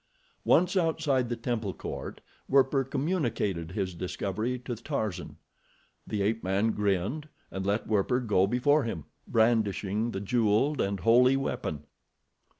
Once outside the temple court, Werper communicated his discovery to Tarzan. The ape man grinned, and let Werper go before him, brandishing the jeweled and holy weapon.